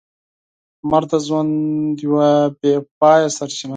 لمر د ژوند یوه بې پايه سرچینه ده.